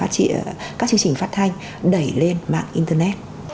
các chương trình phát triển các chương trình phát thanh đẩy lên mạng internet